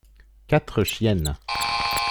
Quatre chiennes.